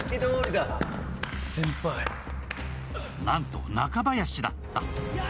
なんと、中林だった。